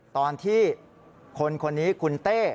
ตอนที่คนคนนี้คุณเต้